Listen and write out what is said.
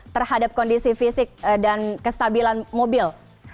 terhadap kondisi fisik dan kestabilan mobil